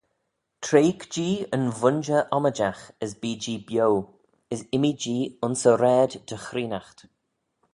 Treig-jee yn vooinjer ommijagh, as bee-jee bio: as immee-jee ayns y raad dy chreenaght.